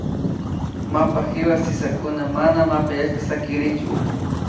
Mapa hiwa sisakuna mana mapayashka sakirichun